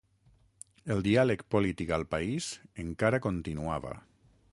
El diàleg polític al país encara continuava.